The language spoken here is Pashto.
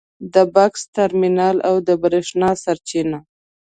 د بکس ترمینل او د برېښنا سرچینه